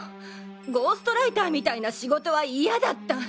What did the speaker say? ゴーストライターみたいな仕事はイヤだった。